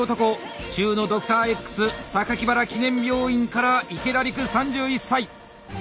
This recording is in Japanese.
府中のドクターＸ原記念病院から池田陸３１歳。